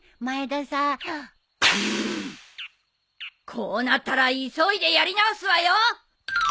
こうなったら急いでやり直すわよ！